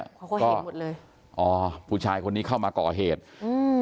เขาก็เห็นหมดเลยอ๋อผู้ชายคนนี้เข้ามาก่อเหตุอืม